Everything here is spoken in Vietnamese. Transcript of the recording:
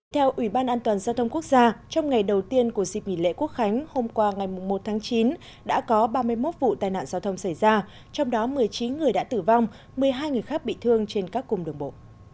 theo ủy ban an toàn giao thông quốc gia trong ngày đầu tiên của dịp nghỉ lễ quốc khánh hôm qua ngày một tháng chín đã có ba mươi một vụ tai nạn giao thông xảy ra trong đó một mươi chín người đã tử vong một mươi hai người khác bị thương trên các cung đường bộ